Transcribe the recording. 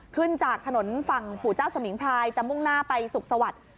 ขึ้นจากถนนฝั่งปู่เจ้าสมิงพรายจะมุ่งหน้าไปสุขสวัสดิ์